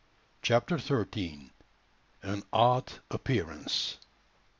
CHAPTER THIRTEEN. AN ODD APPEARANCE.